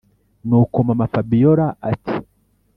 nuko mama-fabiora ati”